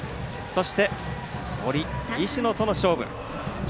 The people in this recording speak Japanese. そして、堀、石野との勝負。